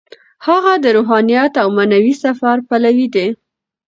هغه د روحانیت او معنوي سفر پلوی دی.